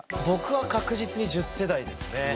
僕は確実に１０世代ですね。